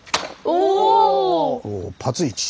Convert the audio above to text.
おパツイチ。